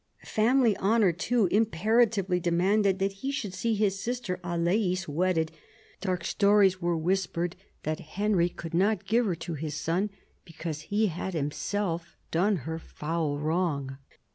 Family honour too imperatively demanded that he should see his sister Alais wedded : dark stories were whispered that Henry could not give her to his son because he had himself done her foul wrong.